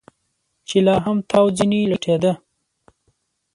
چې لا هم تاو ځنې لټېده.